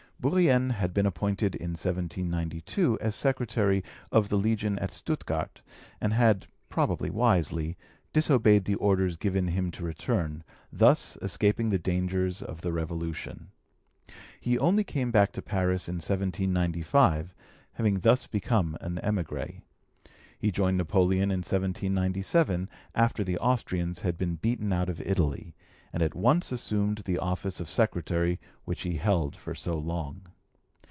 Bourrienne had been appointed in 1792 as secretary of the Legation at Stuttgart, and had, probably wisely, disobeyed the orders given him to return, thus escaping the dangers of the Revolution. He only came back to Paris in 1795, having thus become an emigré. He joined Napoleon in 1797, after the Austrians had been beaten out of Italy, and at once assumed the office of secretary which he held for so long.